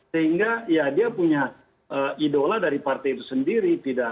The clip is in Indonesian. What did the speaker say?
sehingga ya dia punya idola dari partai itu sendiri